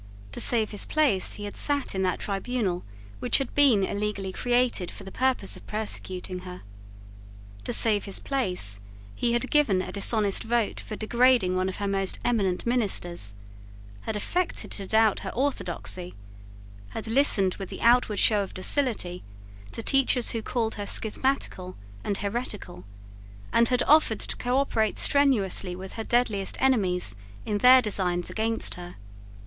To save his place he had sate in that tribunal which had been illegally created for the purpose of persecuting her. To save his place he had given a dishonest vote for degrading one of her most eminent ministers, had affected to doubt her orthodoxy, had listened with the outward show of docility to teachers who called her schismatical and heretical, and had offered to cooperate strenuously with her deadliest enemies in their designs against her.